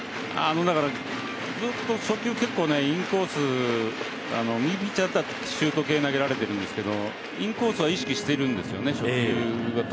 だからずっと初球ずっとインコース右ピッチャーだったらシュート系投げられてるんですけどインコースは意識してるんですよね。